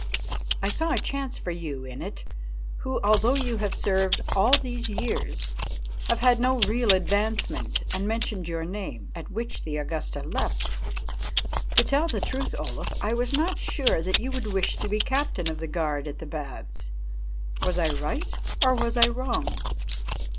I saw a chance for you in it, who, although you have served all these years, have had no real advancement, and mentioned your name, at which the Augusta leapt. To tell the truth, Olaf, I was not sure that you would wish to be captain of the guard at the Baths. Was I right or was I wrong?"